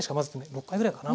６回ぐらいかな。